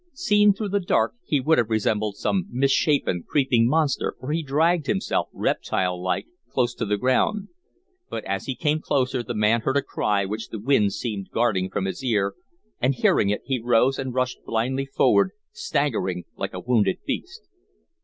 Seen through the dark he would have resembled some misshapen, creeping monster, for he dragged himself, reptile like, close to the ground. But as he came closer the man heard a cry which the wind seemed guarding from his ear, and, hearing it, he rose and rushed blindly forward, staggering like a wounded beast.